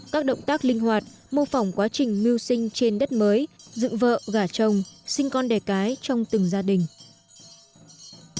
các động tác linh hoạt mô phỏng quá trình mưu sinh trên đất mới dựng vợ gả chồng sinh con đẻ cái trong từng gia đình